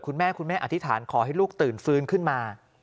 คุณแม่คุณแม่อธิษฐานขอให้ลูกตื่นฟื้นขึ้นมา